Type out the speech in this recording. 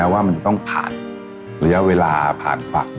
ส่วนความเพียงเราก็ถูกพูดอยู่ตลอดเวลาในเรื่องของความพอเพียง